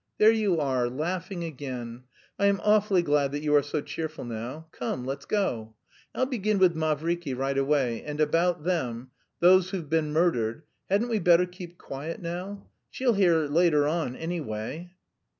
There you are, laughing again! I am awfully glad that you are so cheerful now. Come, let's go. I'll begin with Mavriky right away, and about them... those who've been murdered... hadn't we better keep quiet now? She'll hear later on, anyway."